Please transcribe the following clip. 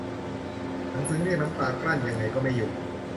หนังซึ้งเรียกน้ำตา กลั้นยังไงก็ไม่อยู่